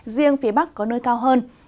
riêng phía bắc có nơi cao hơn